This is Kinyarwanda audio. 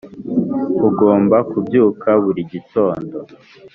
ugomba kubyuka buri gitondo